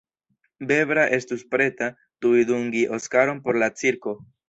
Bebra estus preta tuj dungi Oskaron por la cirko.